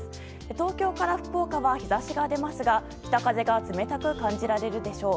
東京から福岡は日差しが出ますが北風が冷たく感じられるでしょう。